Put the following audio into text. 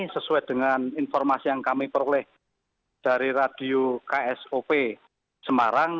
sesuai dengan informasi yang kami peroleh dari radio ksop semarang